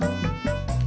aku mau berbual